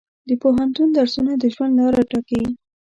د پوهنتون درسونه د ژوند لاره ټاکي.